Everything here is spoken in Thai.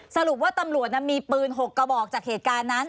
สรุปว่าตำรวจมีปืน๖กระบอกจากเหตุการณ์นั้น